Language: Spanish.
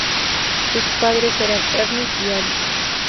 Sus padres eran Ernest y Alice.